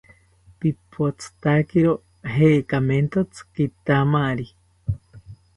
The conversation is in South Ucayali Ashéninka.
Pipothotakiro jekamentotzi kitamari